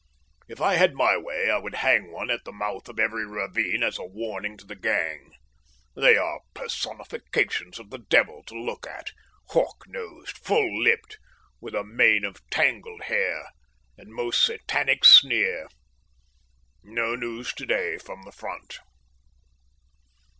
If I had my way I would hang one at the mouth of every ravine as a warning to the gang. They are personifications of the devil to look at, hawk nosed, full lipped, with a mane of tangled hair, and most Satanic sneer. No news today from the Front.